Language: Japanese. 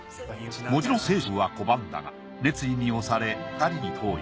もちろん青洲は拒んだが熱意におされ２人に投与。